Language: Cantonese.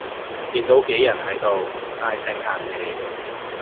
見到杞人喺度唉聲嘆氣